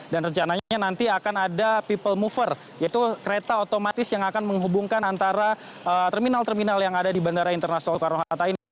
dan rencananya nanti akan ada people mover yaitu kereta otomatis yang akan menghubungkan antara terminal terminal yang ada di bandara internasional soekarno hatta ini